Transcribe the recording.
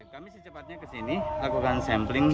kami secepatnya ke sini lakukan sampling